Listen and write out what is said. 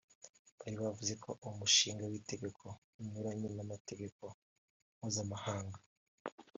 bari bavuze ko uwo mushinga w’itegeko unyuranye n’amategeko mpuzamahanga